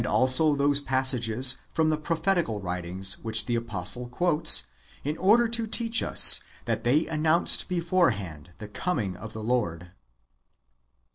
99 also those passages from the prophetical writings which the apostle quotes, in order to teach us that they announced before hand the coming of the Lord.